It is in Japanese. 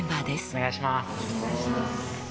お願いします。